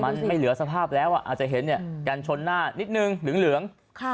มันไม่เหลือสภาพแล้วอาจจะเห็นกันชนหน้านิดนึงเหลือง